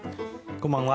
こんばんは。